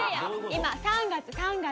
今３月！？